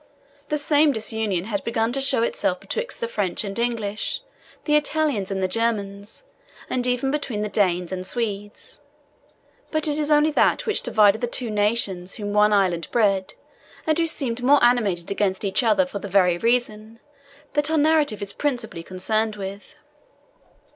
The same disunion had begun to show itself betwixt the French and English, the Italians and the Germans, and even between the Danes and Swedes; but it is only that which divided the two nations whom one island bred, and who seemed more animated against each other for the very reason, that our narrative is principally concerned with.